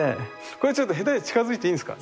これは下手に近づいていいんですか？